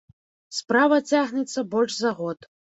Справа цягнецца больш за год.